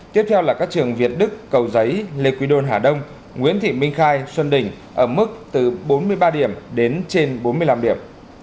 tiếp theo là các trường việt đức cầu giấy lê quỳ đôn hà đông nguyễn thị minh khai xuân đình ở mức từ bốn mươi ba điểm đến trên bốn mươi năm điểm